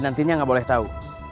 nantinya nggak boleh tahu